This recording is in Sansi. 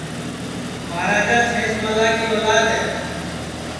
مہاراجا سینس ملا کی اولاد ہے